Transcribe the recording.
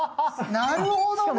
なるほどね。